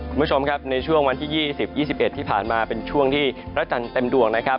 คุณผู้ชมครับในช่วงวันที่๒๐๒๑ที่ผ่านมาเป็นช่วงที่พระจันทร์เต็มดวงนะครับ